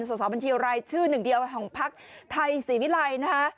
สาวบัญชีอะไรชื่อหนึ่งเดียวของพักไทยศิวิไลน์นะคะ